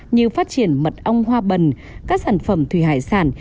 như phát triển mật ong hoa bần các sản phẩm thủy hải sản